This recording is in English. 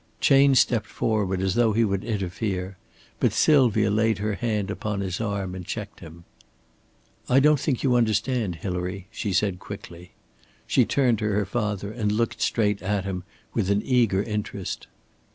Chayne stepped forward, as though he would interfere, but Sylvia laid her hand upon his arm and checked him. "I don't think you understand, Hilary," she said, quickly. She turned to her father and looked straight at him with an eager interest.